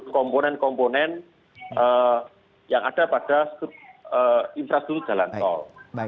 komponen komponen yang ada pada infrastruktur jalan tol